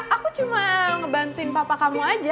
aku cuma ngebantuin papa kamu aja